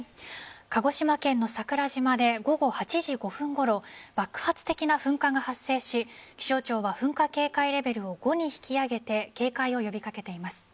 鹿児島県の桜島で午後８時５分ごろ爆発的な噴火が発生し気象庁は噴火警戒レベルを５に引き上げて警戒を呼び掛けています。